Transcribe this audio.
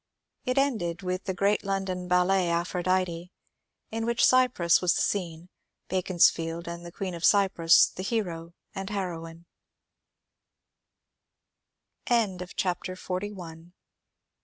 It ended with the grand London ballet ^' Aphrodite," in which Cyprus was the scene, Beaconsfield and the Queen of Cyprus the hero and heroine I A i^U ^i>i^^ Cc^U^ ^^4.